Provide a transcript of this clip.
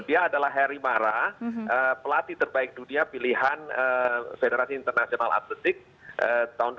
dia adalah harry mara pelatih terbaik dunia pilihan federasi internasional atletik tahun dua ribu dua